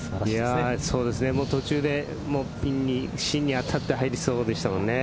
途中で芯に当たって入りそうでしたもんね。